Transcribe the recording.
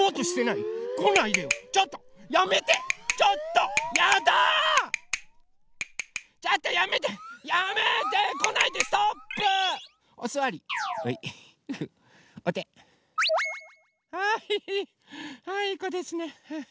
いいこですね。